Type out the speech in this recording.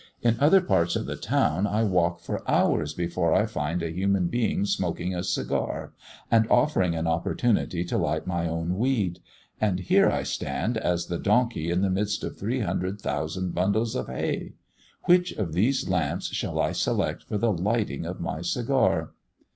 "In other parts of the town I walk for hours before I find a human being smoking a cigar, and offering an opportunity to light my own weed; and here I stand as the donkey in the midst of three hundred thousand bundles of hay. Which of these lamps shall I select for the lighting of my cigar?"